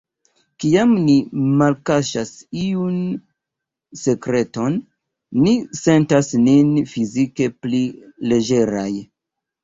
Kiam ni malkaŝas iun sekreton, ni sentas nin fizike pli leĝeraj.